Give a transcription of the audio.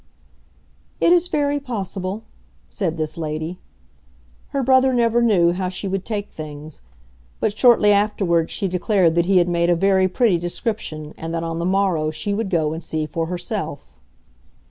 "It is very possible," said this lady. Her brother never knew how she would take things; but shortly afterwards she declared that he had made a very pretty description and that on the morrow she would go and see for herself.